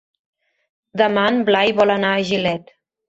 Demà en Blai vol anar a Gilet.